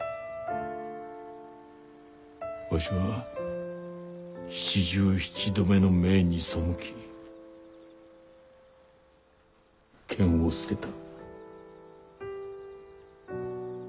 わしは７７度目の命に背き剣を捨てた。